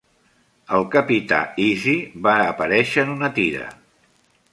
El Capità Easy va aparèixer en una tira.